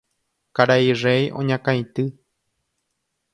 Karai rey oñakãity.